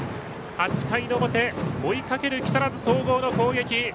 ８回の表追いかける木更津総合の攻撃。